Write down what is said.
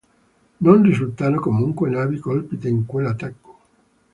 Non risultano comunque navi colpite in quell'attacco.